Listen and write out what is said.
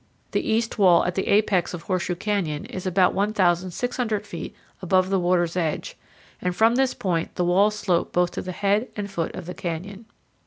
The east wall at the apex of Horseshoe Canyon is about 1,600 feet above the water's edge, and from this point the walls slope both to the head and foot of the canyon.